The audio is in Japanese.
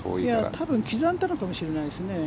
多分刻んだのかもしれないですね。